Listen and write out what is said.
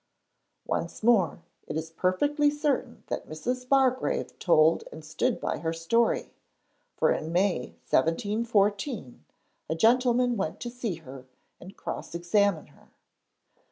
Once more, it is perfectly certain that Mrs. Bargrave told and stood by her story, for in May 1714 a gentleman went to see her and cross examine her.